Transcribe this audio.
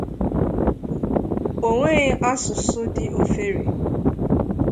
O nweghị asụsụ dị ofere